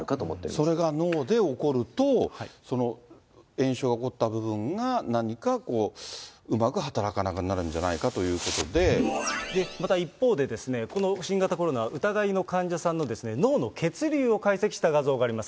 それが脳で起こると、炎症が起こった部分が何かうまく働かなくなるんじゃないかというまた一方で、新型コロナ疑いの患者さんの、脳の血流を解析した画像があります。